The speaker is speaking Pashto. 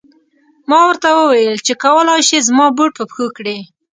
ما ورته و ویل چې کولای شې زما بوټ په پښو کړې.